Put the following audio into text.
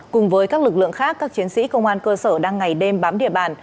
cùng với các lực lượng khác các chiến sĩ công an cơ sở đang ngày đêm bám địa bàn